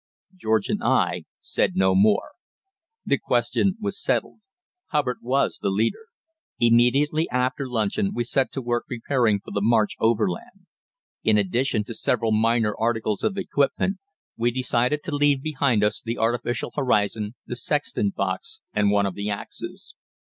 George and I said no more. The question was settled. Hubbard was the leader. Immediately after luncheon we set to work preparing for the march overland. In addition to several minor articles of equipment, we decided to leave behind us the artificial horizon, the sextant box, and one of the axes.